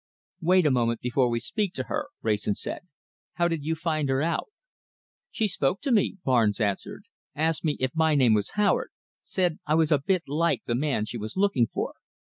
"Wait a moment before we speak to her," Wrayson said. "How did you find her out?" "She spoke to me," Barnes answered. "Asked me if my name was Howard, said I was a bit like the man she was looking for.